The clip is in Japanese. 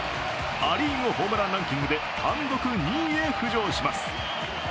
ア・リーグホームランランキングで単独２位へ浮上します。